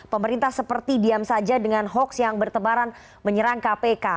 pemerintah seperti diam saja dengan hoax yang bertebaran menyerang kpk